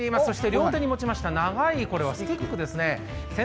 両手に持ちました、長いスティックですね。